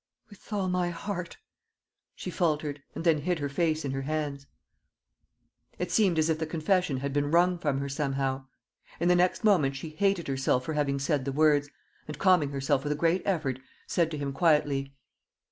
"With all my heart," she faltered, and then hid her face in her hands. It seemed as if the confession had been wrung from her somehow. In the next moment she hated herself for having said the words, and calming herself with a great effort, said to him quietly.